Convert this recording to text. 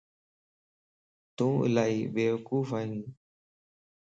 تون الائي بيوقوف ائين